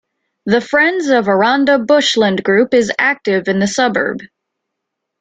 The Friends of Aranda Bushland group is active in the suburb.